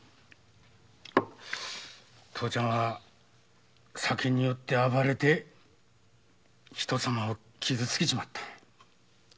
父ちゃんは酒に酔って暴れて人様を傷つけちまった。